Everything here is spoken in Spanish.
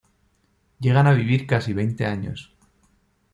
Llegan a vivir casi veinte años.